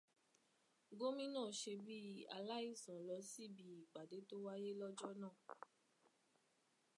Gómìnà ṣe bí aláìsàn lọ sí ibi ìpàdé tó wáyé lọ́jọ́ náà.